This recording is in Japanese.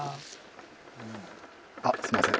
あっすみません。